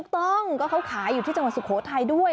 ถูกต้องก็เขาขายอยู่ที่จังหวัดสุโขทัยด้วย